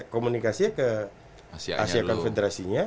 komunikasinya ke asia confederation